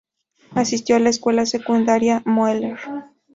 Asistió a la Escuela Secundaria Moeller.